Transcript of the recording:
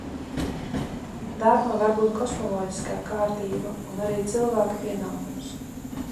Darma var būt kosmoloģiskā kārtība un arī cilvēka pienākums.